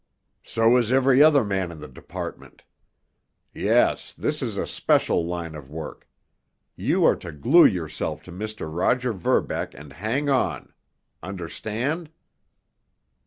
"So is every other man in the department. Yes—this is a special line of work. You are to glue yourself to Mr. Roger Verbeck and hang on. Understand?"